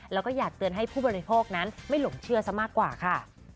แล้วก็อยากเตือนให้ผู้บริโภคนั้นไม่หลงเชื่อซะมากกว่าค่ะ